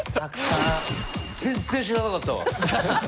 全然知らなかったわ。